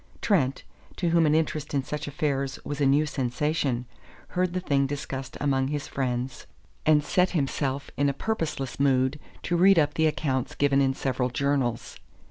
Trent, to whom an interest in such affairs was a new sensation, heard the thing discussed among his friends, and set himself in a purposeless mood to read up the accounts given in several journals.